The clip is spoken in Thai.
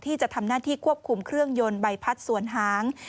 ที่จะทำหน้าที่ควบคุมเครื่องยนต์ใบพัดส่วนหาง